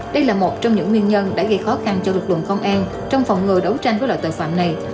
đây là một trong những nguyên nhân đã gây khó khăn cho lực lượng công an trong phòng ngừa đấu tranh với loại tội phạm này